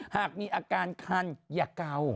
หากมีอาการคันอย่าเก่า